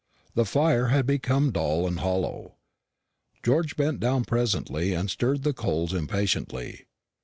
The fire had become dull and hollow. George bent down presently and stirred the coals impatiently.